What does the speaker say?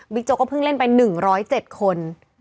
โจ๊ก็เพิ่งเล่นไป๑๐๗คน